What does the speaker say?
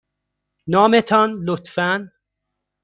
نام تان، لطفاً.